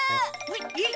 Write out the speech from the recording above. えっ？